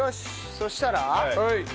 そしたら？